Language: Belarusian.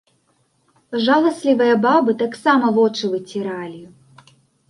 Жаласлівыя бабы таксама вочы выціралі.